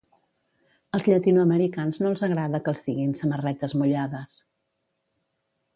Als llatinoamericans no els agrada que els diguin samarretes mullades